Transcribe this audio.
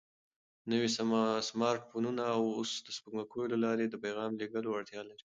نوي سمارټ فونونه اوس د سپوږمکیو له لارې د پیغام لېږلو وړتیا لري.